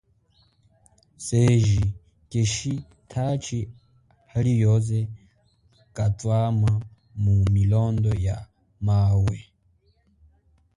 Seji keeshi tachi alioze kaathama mu milundu ya mawe.